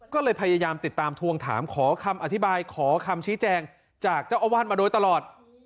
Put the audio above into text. ก็เลยพยายามติดตามทวงถามขอคำอธิบายขอคำชี้แจงจากเจ้าอาวาสมาโดยตลอด